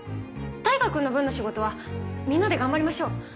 大牙君の分の仕事はみんなで頑張りましょう。